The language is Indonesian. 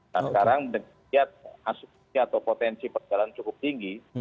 nah sekarang menurut saya asuknya atau potensi perjalanan cukup tinggi